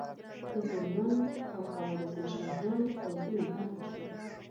د غوریانو او خوارزمشاهیانو پوځونو برخه شول.